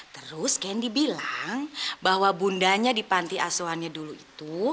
terus kendi bilang bahwa bundanya di panti asuhannya dulu itu